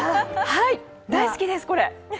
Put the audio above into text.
はい、大好きです、これ。